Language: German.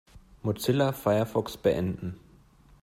Mozilla Firefox beenden.